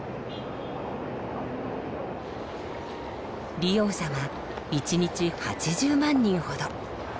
利用者は一日８０万人ほど。